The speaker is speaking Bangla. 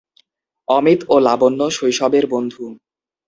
অমিত ও লাবণ্য শৈশবের বন্ধু।